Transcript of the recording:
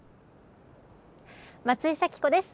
松井咲子です。